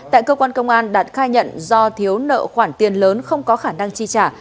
tại cơ quan công an đạt khai nhận do thiếu nợ khoản tiền lớn không có khả năng chi trả